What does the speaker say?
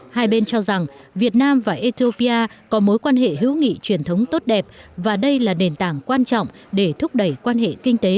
hai bên cho rằng việt nam và ethiopia có mối quan hệ hữu nghị truyền thống tốt đẹp và đây là nền tảng quan trọng để thúc đẩy quan hệ kinh tế